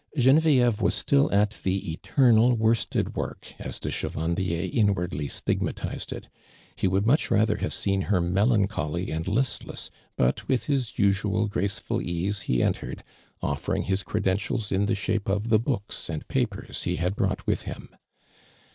Genevieve was still at the " eternal worsted work," as de Chevan dier inwardly stigmatized it ; he would much rather have seen her m clancholy and listless, but with his usual graceful ease he entered, oflering his credentials in the shape of the books and papers he had brought with him.